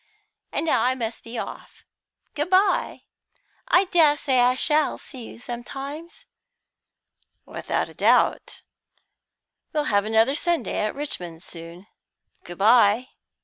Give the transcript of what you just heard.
And now I must be off. Good bye. I dessay I shall see you sometimes?" "Without doubt. We'll have another Sunday at Richmond soon. Good bye."